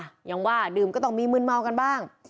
อย่างว่าดื่มก็ต้องมีมืนเมากันบ้าง